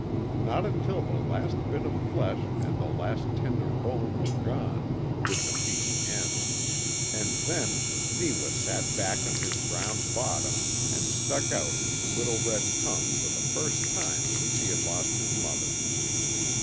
Not until the last bit of flesh and the last tender bone were gone did the feast end, and then Neewa sat back on his round bottom and stuck out his little red tongue for the first time since he had lost his mother.